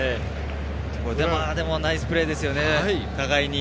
でもナイスプレーですね、互いに。